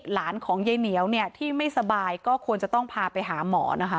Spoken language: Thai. หลานของยายเหนียวเนี่ยที่ไม่สบายก็ควรจะต้องพาไปหาหมอนะคะ